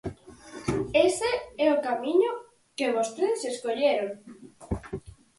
Ese é o camiño que vostedes escolleron.